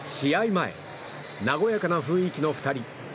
前和やかな雰囲気の２人。